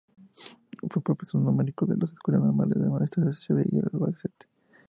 Fue profesor numerario de las Escuelas Normales de Maestros de Sevilla y de Albacete.